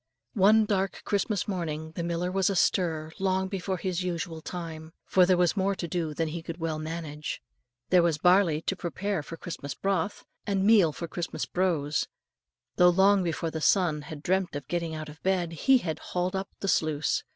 One dark Christmas morning the miller was astir long before his usual time, for there was more to do than he could well manage. There was barley to prepare for Christmas broth, and meal for Christmas brose; so long before the sun had dreamt of getting out of bed, he had hauled up the sluice.